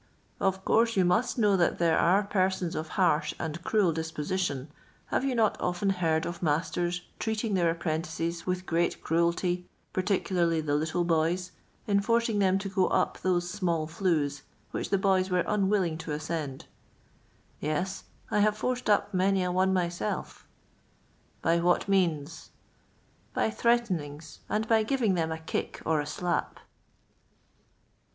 " Of course you must know that there are per sons of harsh and cruel disposition ; have you not often heard of masters treating their apprentices with great cruelty, particularly the little boys, in forcing them to go up those small flues, which the boys were unwilling to ascend] — Yet; I have forced up many a one myself ^" By what means 1—B^ lbx«B^Kli\sc^, '«bX^\s^ glVing \\iem sl^liOl Qt ^ i^^^r 350 LOXDOX LAnoVR ASD THE lOXDOX POOR.